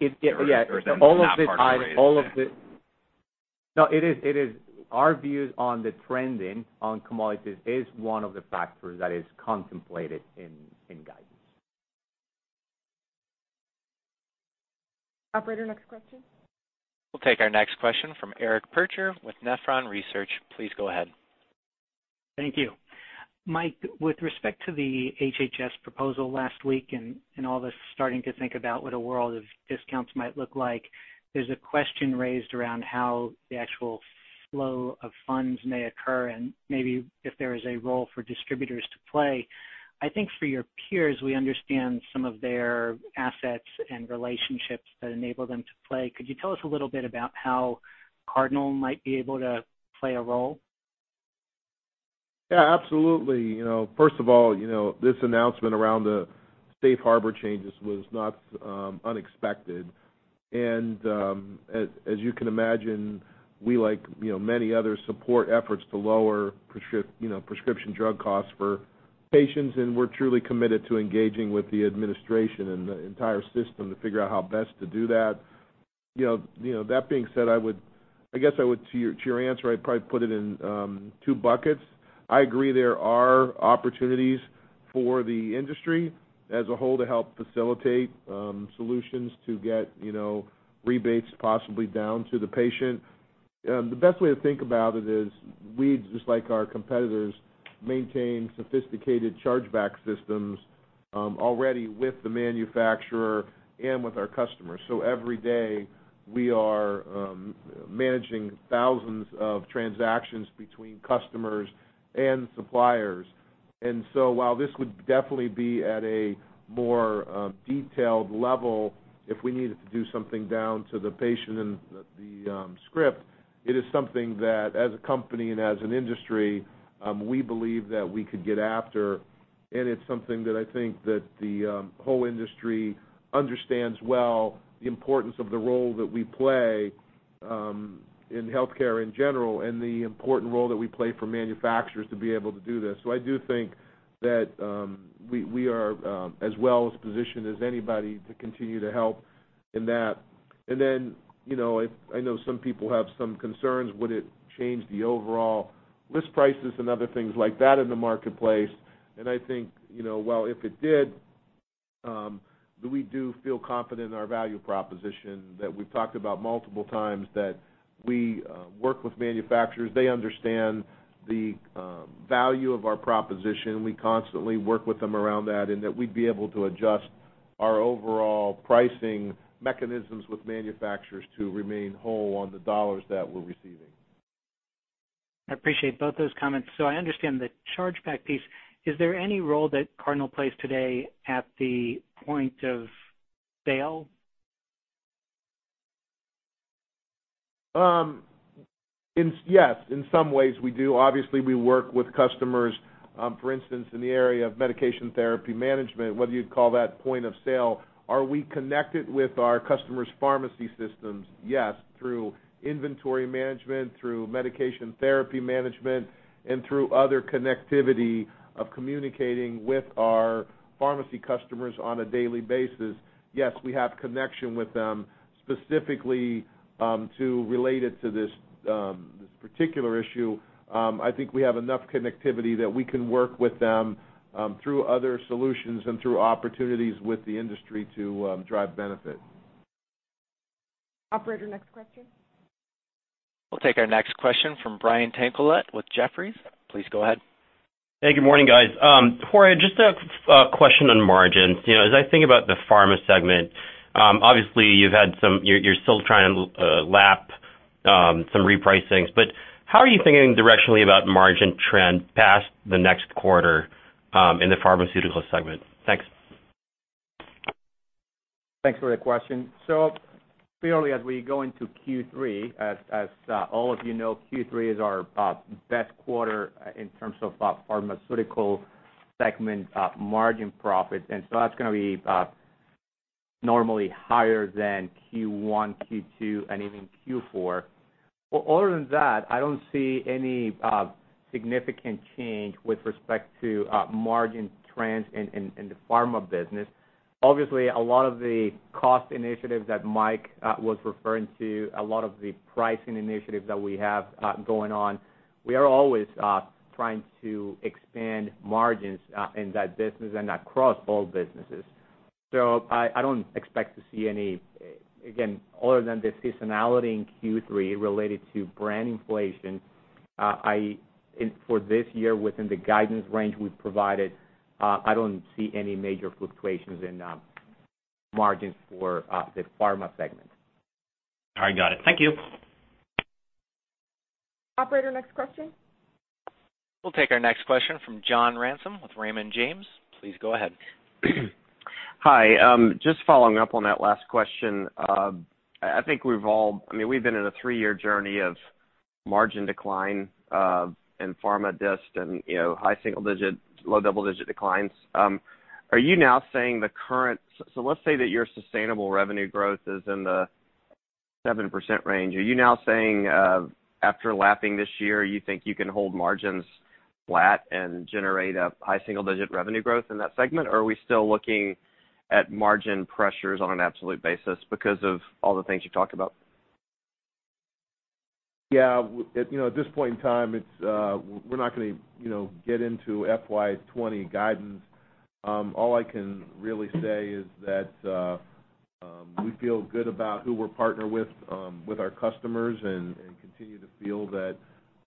It, yeah- Is that not part of the raise today? No, it is. Our views on the trending on commodities is one of the factors that is contemplated in guidance. Operator, next question. We'll take our next question from Eric Percher with Nephron Research. Please go ahead. Thank you. Mike, with respect to the HHS proposal last week and all this starting to think about what a world of discounts might look like, there's a question raised around how the actual flow of funds may occur and maybe if there is a role for distributors to play. I think for your peers, we understand some of their assets and relationships that enable them to play. Could you tell us a little bit about how Cardinal might be able to play a role? Absolutely. First of all, this announcement around the safe harbor changes was not unexpected. As you can imagine, we, like many others, support efforts to lower prescription drug costs for patients, and we're truly committed to engaging with the administration and the entire system to figure out how best to do that. That being said, I guess I would, to your answer, I'd probably put it in two buckets. I agree there are opportunities for the industry as a whole to help facilitate solutions to get rebates possibly down to the patient. The best way to think about it is we, just like our competitors, maintain sophisticated charge-back systems already with the manufacturer and with our customers. Every day, we are managing thousands of transactions between customers and suppliers. While this would definitely be at a more detailed level, if we needed to do something down to the patient and the script, it is something that, as a company and as an industry, we believe that we could get after. It's something that I think that the whole industry understands well the importance of the role that we play in healthcare in general, and the important role that we play for manufacturers to be able to do this. I do think that we are as well as positioned as anybody to continue to help in that. Then, I know some people have some concerns, would it change the overall list prices and other things like that in the marketplace? I think, while if it did, that we do feel confident in our value proposition that we've talked about multiple times, that we work with manufacturers, they understand the value of our proposition, we constantly work with them around that, and that we'd be able to adjust our overall pricing mechanisms with manufacturers to remain whole on the dollars that we're receiving. I appreciate both those comments. I understand the charge-back piece. Is there any role that Cardinal plays today at the point of sale? Yes, in some ways, we do. Obviously, we work with customers, for instance, in the area of medication therapy management, whether you'd call that point of sale. Are we connected with our customers' pharmacy systems? Yes. Through inventory management, through medication therapy management, and through other connectivity of communicating with our pharmacy customers on a daily basis. Yes, we have connection with them specifically, to relate it to this particular issue, I think we have enough connectivity that we can work with them, through other solutions and through opportunities with the industry to drive benefit. Operator, next question. We'll take our next question from Brian Tanquilut with Jefferies. Please go ahead. Hey, good morning, guys. Jorge, just a question on margins. As I think about the pharma segment, obviously, you're still trying to lap some repricings. How are you thinking directionally about margin trend past the next quarter, in the Pharmaceutical segment? Thanks. Thanks for the question. Clearly, as we go into Q3, as all of you know, Q3 is our best quarter in terms of Pharmaceutical segment margin profits. That's going to be normally higher than Q1, Q2, and even Q4. Other than that, I don't see any significant change with respect to margin trends in the pharma business. Obviously, a lot of the cost initiatives that Mike was referring to, a lot of the pricing initiatives that we have going on, we are always trying to expand margins, in that business and across all businesses. I don't expect to see any, again, other than the seasonality in Q3 related to brand inflation, for this year, within the guidance range we've provided, I don't see any major fluctuations in margins for the pharma segment. All right. Got it. Thank you. Operator, next question. We'll take our next question from John Ransom with Raymond James. Please go ahead. Hi, just following up on that last question. I think we've been in a three-year journey of margin decline, in pharma dist and high single-digit, low double-digit declines. Let's say that your sustainable revenue growth is in the 7% range. Are you now saying, after lapping this year, you think you can hold margins flat and generate a high single-digit revenue growth in that segment? Are we still looking at margin pressures on an absolute basis because of all the things you talked about? Yeah. At this point in time, we're not going to get into FY 2020 guidance. All I can really say is that we feel good about who we're partnered with our customers, and continue to feel that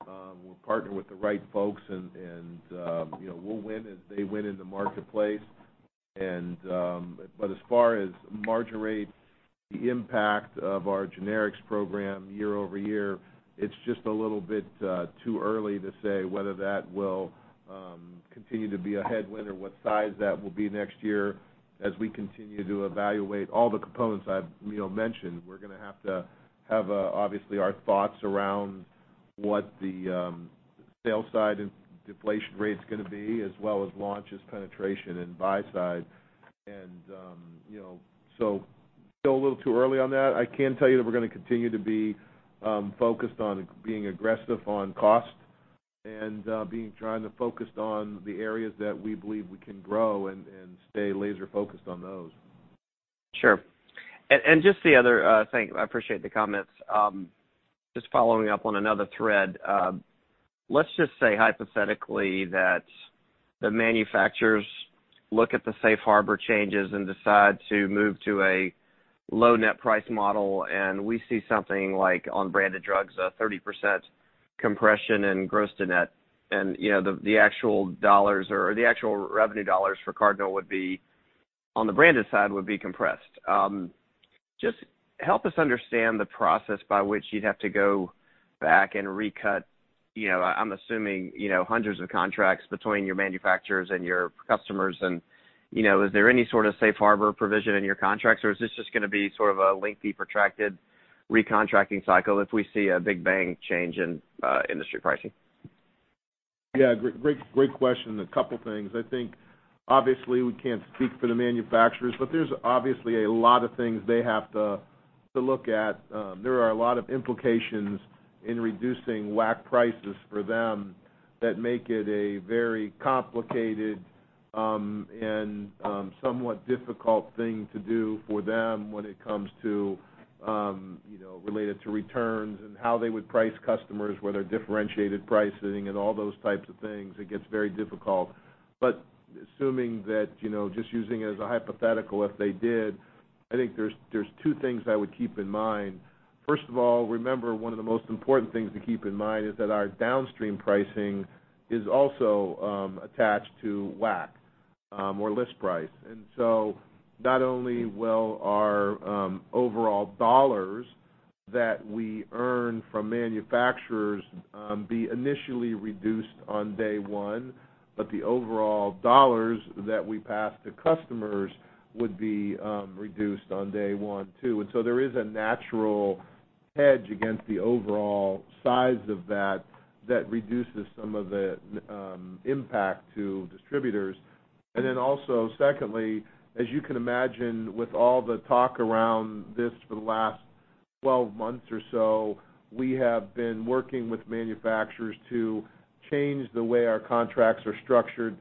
we're partnered with the right folks, and we'll win as they win in the marketplace. As far as margin rate, the impact of our generics program year-over-year, it's just a little bit too early to say whether that will continue to be a headwind or what size that will be next year as we continue to evaluate all the components I've mentioned. We're going to have to have, obviously, our thoughts around what the sales side and deflation rate's going to be, as well as launches, penetration, and buy side. Still a little too early on that. I can tell you that we're going to continue to be focused on being aggressive on cost and trying to focus on the areas that we believe we can grow and stay laser-focused on those. Sure. I appreciate the comments. Just following up on another thread. Let's just say hypothetically, that the manufacturers look at the safe harbor changes and decide to move to a low net price model, and we see something like on branded drugs, a 30% compression and gross-to-net and the actual revenue dollars for Cardinal would be, on the branded side, would be compressed. Just help us understand the process by which you'd have to go back and recut, I'm assuming, hundreds of contracts between your manufacturers and your customers and, is there any sort of safe harbor provision in your contracts, or is this just going to be sort of a lengthy, protracted recontracting cycle if we see a big bang change in industry pricing? Yeah, great question. A couple things. I think, obviously, we can't speak for the manufacturers, but there's obviously a lot of things they have to look at. There are a lot of implications in reducing WAC prices for them that make it a very complicated, and somewhat difficult thing to do for them when it comes to, related to returns and how they would price customers, whether differentiated pricing and all those types of things. It gets very difficult. Assuming that, just using it as a hypothetical, if they did, I think there's two things I would keep in mind. First of all, remember, one of the most important things to keep in mind is that our downstream pricing is also attached to WAC, or list price. Not only will our overall dollars that we earn from manufacturers be initially reduced on day one, but the overall dollars that we pass to customers would be reduced on day one, too. There is a natural hedge against the overall size of that reduces some of the impact to distributors. Also, secondly, as you can imagine, with all the talk around this for the last 12 months or so, we have been working with manufacturers to change the way our contracts are structured,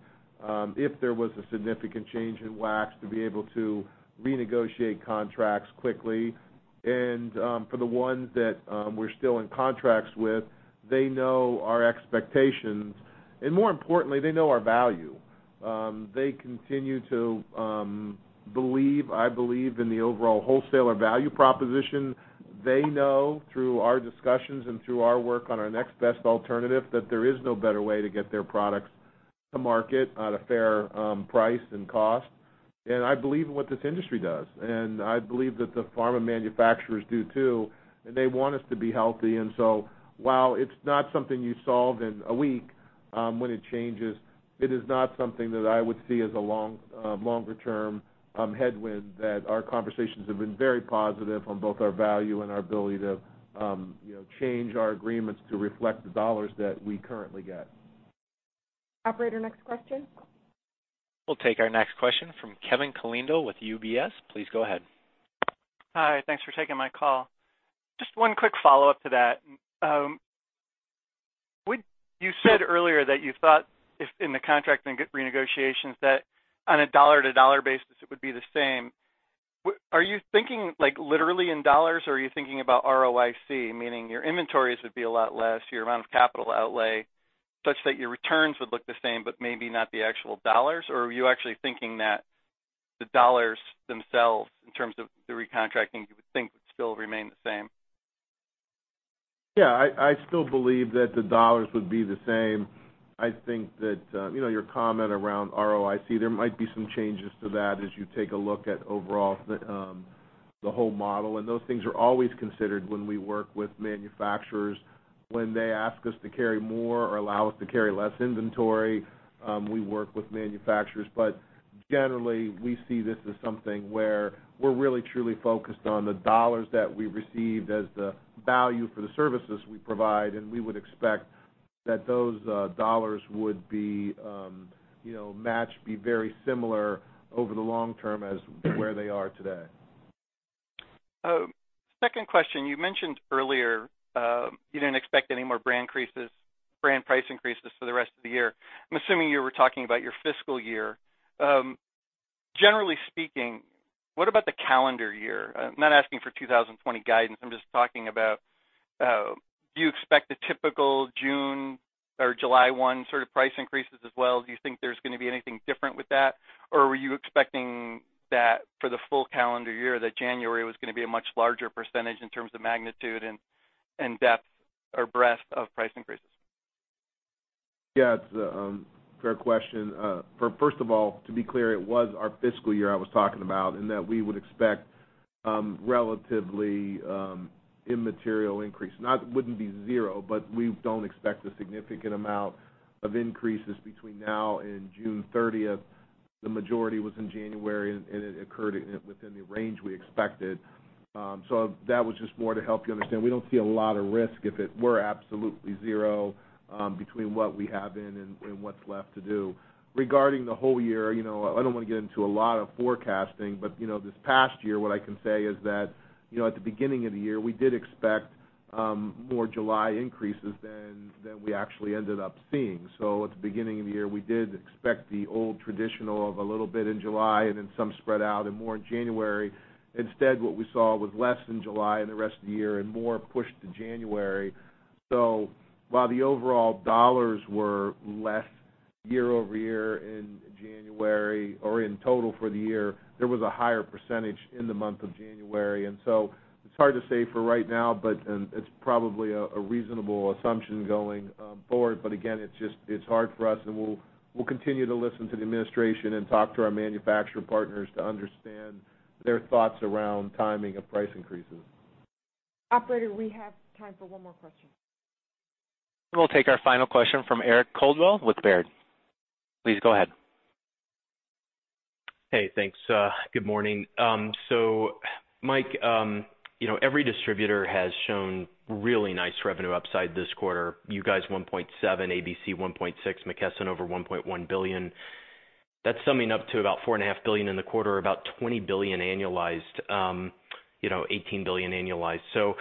if there was a significant change in WACs, to be able to renegotiate contracts quickly. For the ones that we're still in contracts with, they know our expectations, and more importantly, they know our value. They continue to believe, I believe, in the overall wholesaler value proposition. They know through our discussions and through our work on our next best alternative, that there is no better way to get their products to market at a fair price and cost. I believe in what this industry does, and I believe that the pharma manufacturers do, too, and they want us to be healthy. While it's not something you solve in a week when it changes, it is not something that I would see as a longer-term headwind, that our conversations have been very positive on both our value and our ability to change our agreements to reflect the dollars that we currently get. Operator, next question. We'll take our next question from Kevin Caliendo with UBS. Please go ahead. Hi, thanks for taking my call. Just one quick follow-up to that. You said earlier that you thought if in the contract and renegotiations that on a dollar-to-dollar basis, it would be the same. Are you thinking like literally in dollars or are you thinking about ROIC, meaning your inventories would be a lot less, your amount of capital outlay, such that your returns would look the same, but maybe not the actual dollars? Or were you actually thinking that the dollars themselves, in terms of the recontracting, you would think would still remain the same? Yeah, I still believe that the dollars would be the same. I think that, your comment around ROIC, there might be some changes to that as you take a look at overall the whole model, and those things are always considered when we work with manufacturers. When they ask us to carry more or allow us to carry less inventory, we work with manufacturers. Generally, we see this as something where we're really truly focused on the dollars that we received as the value for the services we provide, and we would expect that those dollars would be matched, be very similar over the long term as where they are today. Second question, you mentioned earlier, you didn't expect any more brand price increases for the rest of the year. I'm assuming you were talking about your fiscal year. Generally speaking, what about the calendar year? I'm not asking for 2020 guidance, I'm just talking about, do you expect the typical June or July 1 sort of price increases as well? Do you think there's going to be anything different with that? Were you expecting that for the full calendar year, that January was going to be a much larger percentage in terms of magnitude and depth or breadth of price increases? Yeah, it's a fair question. First of all, to be clear, it was our fiscal year I was talking about, and that we would expect relatively immaterial increase. Now, it wouldn't be zero, but we don't expect a significant amount of increases between now and June 30th. The majority was in January, and it occurred within the range we expected. That was just more to help you understand. We don't see a lot of risk if it were absolutely zero, between what we have in and what's left to do. Regarding the whole year, I don't want to get into a lot of forecasting, but this past year, what I can say is that, at the beginning of the year, we did expect more July increases than we actually ended up seeing. At the beginning of the year, we did expect the old traditional of a little bit in July and then some spread out and more in January. Instead, what we saw was less in July and the rest of the year and more pushed to January. While the overall dollars were less year-over-year in January or in total for the year, there was a higher percentage in the month of January. It's hard to say for right now, but it's probably a reasonable assumption going forward. Again, it's hard for us, and we'll continue to listen to the administration and talk to our manufacturer partners to understand their thoughts around timing of price increases. Operator, we have time for one more question. We'll take our final question from Eric Coldwell with Baird. Please go ahead. Hey, thanks. Good morning. Mike, every distributor has shown really nice revenue upside this quarter. You guys, $1.7 billion, ABC $1.6 billion, McKesson over $1.1 billion. That's summing up to about $4.5 billion in the quarter, about $20 billion annualized, $18 billion annualized.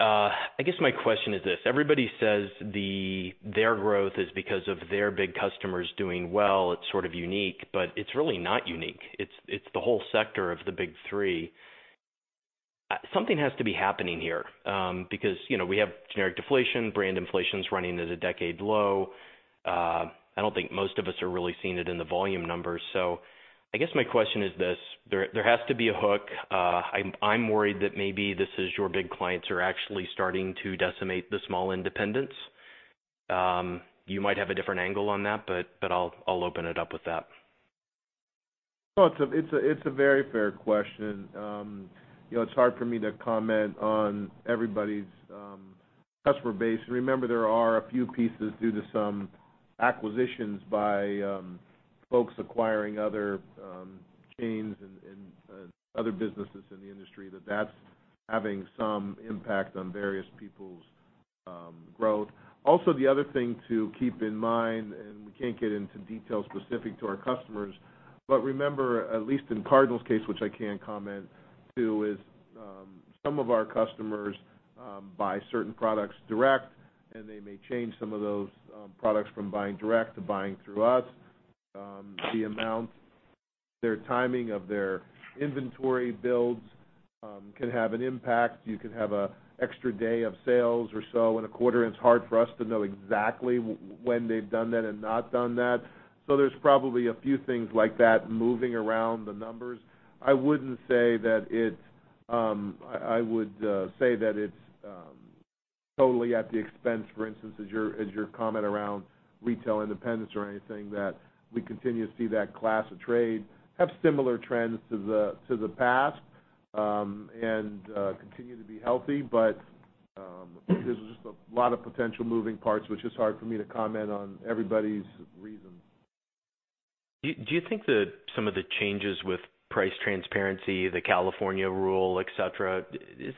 I guess my question is this. Everybody says their growth is because of their big customers doing well. It's sort of unique, but it's really not unique. It's the whole sector of the big three. Something has to be happening here, because we have generic deflation, brand inflation's running at a decade low. I don't think most of us are really seeing it in the volume numbers. I guess my question is this, there has to be a hook. I'm worried that maybe this is your big clients are actually starting to decimate the small independents. You might have a different angle on that, but I'll open it up with that. Well, it's a very fair question. It's hard for me to comment on everybody's customer base. Remember, there are a few pieces due to some acquisitions by folks acquiring other chains and other businesses in the industry, that's having some impact on various people's growth. Also, the other thing to keep in mind, and we can't get into details specific to our customers, but remember, at least in Cardinal's case, which I can comment to, is some of our customers buy certain products direct, and they may change some of those products from buying direct to buying through us. The amount, their timing of their inventory builds can have an impact. You could have an extra day of sales or so in a quarter, and it's hard for us to know exactly when they've done that and not done that. There's probably a few things like that moving around the numbers. I would say that it's totally at the expense, for instance, as your comment around retail independence or anything, that we continue to see that class of trade have similar trends to the past, and continue to be healthy. There's just a lot of potential moving parts, which is hard for me to comment on everybody's reasons. Do you think that some of the changes with price transparency, the California rule, et cetera, is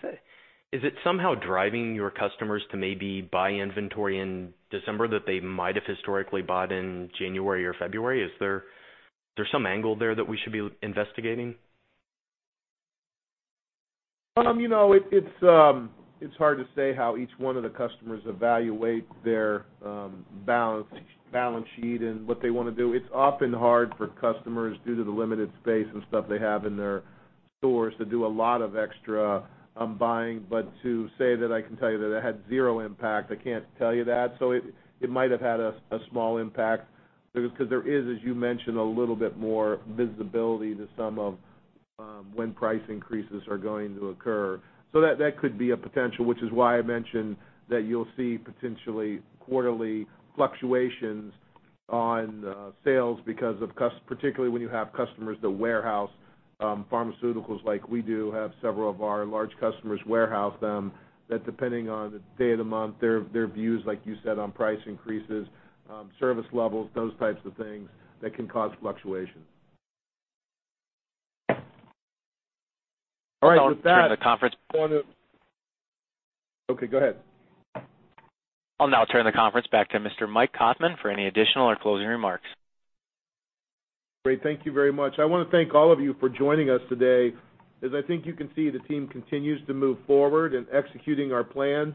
it somehow driving your customers to maybe buy inventory in December that they might have historically bought in January or February? Is there some angle there that we should be investigating? It's hard to say how each one of the customers evaluate their balance sheet and what they want to do. It's often hard for customers, due to the limited space and stuff they have in their stores, to do a lot of extra buying. To say that I can tell you that it had zero impact, I can't tell you that. It might have had a small impact because there is, as you mentioned, a little bit more visibility to some of when price increases are going to occur. That could be a potential, which is why I mentioned that you'll see potentially quarterly fluctuations on sales because of, particularly, when you have customers that warehouse pharmaceuticals like we do, have several of our large customers warehouse them, that depending on the day of the month, their views, like you said, on price increases, service levels, those types of things, that can cause fluctuations. All right. Okay, go ahead. I'll now turn the conference back to Mr. Mike Kaufmann for any additional or closing remarks. Great. Thank you very much. I want to thank all of you for joining us today. As I think you can see, the team continues to move forward in executing our plan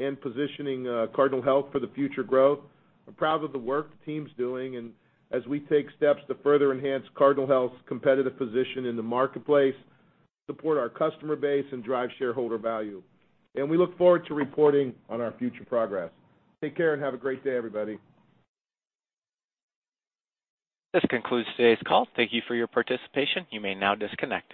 and positioning Cardinal Health for the future growth. I'm proud of the work the team's doing, and as we take steps to further enhance Cardinal Health's competitive position in the marketplace, support our customer base, and drive shareholder value. We look forward to reporting on our future progress. Take care and have a great day, everybody. This concludes today's call. Thank you for your participation. You may now disconnect.